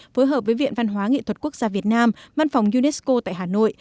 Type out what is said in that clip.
phối hợp với viện văn hóa nghị thuật quốc gia việt nam văn phòng unesco tại hà nội